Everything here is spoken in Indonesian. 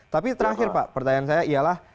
tapi terakhir pak pertanyaan saya ialah